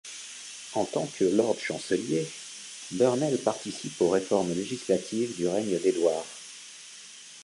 En tant que Lord Chancelier, Burnell participe aux réformes législatives du règne d'Édouard.